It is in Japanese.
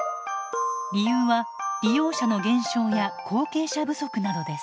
理由は利用者の減少や後継者不足などです。